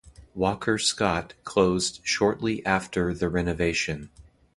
Walker Scott closed shortly after the renovation.